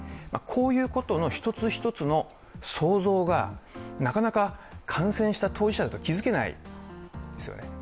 こういうことの一つ一つの想像がなかなか感染した当事者だと気づけないんですよね。